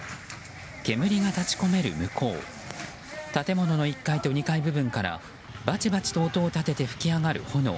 煙が立ち込める向こう建物の１階と２階部分からバチバチと音を立てて噴き上がる炎。